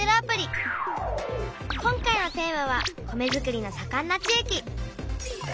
今回のテーマは「米づくりのさかんな地いき」。